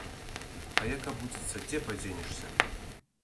А як абудзіцца, дзе падзенешся?